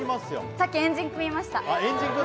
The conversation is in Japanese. さっき円陣組みました。